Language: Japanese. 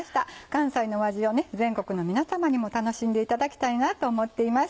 関西の味を全国の皆さまにも楽しんでいただきたいなと思っています。